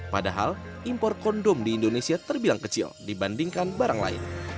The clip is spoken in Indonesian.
padahal impor kondom di indonesia terbilang kecil dibandingkan barang lain